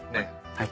はい。